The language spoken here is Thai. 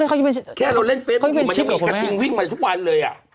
แค่เราเล่นเฟซบุ๊คมันยังมีกระทิงวิ่งมาทุกวันเลย